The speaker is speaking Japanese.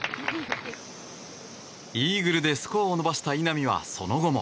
イーグルでスコアを伸ばした稲見はその後も。